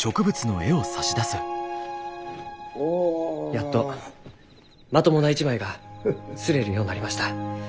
やっとまともな一枚が刷れるようなりました。